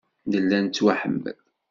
Nella nettwaḥemmel.